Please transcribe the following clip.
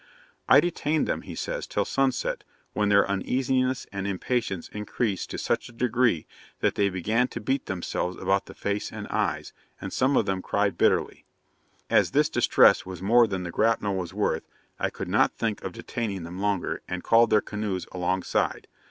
'I detained them,' he says, 'till sunset, when their uneasiness and impatience increased to such a degree, that they began to beat themselves about the face and eyes, and some of them cried bitterly. As this distress was more than the grapnel was worth, I could not think of detaining them longer, and called their canoes alongside.